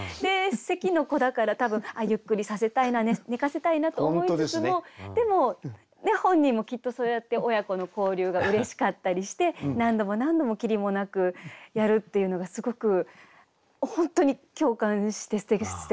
「咳の子」だから多分ゆっくりさせたいな寝かせたいなと思いつつもでも本人もきっとそうやって親子の交流がうれしかったりして何度も何度もきりもなくやるっていうのがすごく本当に共感してすてきな句だなと思います。